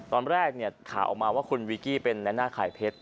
ตอนแรกเนี่ยข่าวออกมาว่าคุณวีกี้เป็นในหน้าขายเพชร